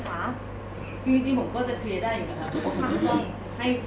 เหยียบได้ไหม